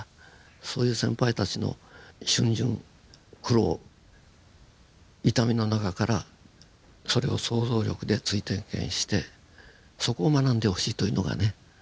そういう先輩たちの逡巡苦労痛みの中からそれを想像力で追体験してそこを学んでほしいというのがね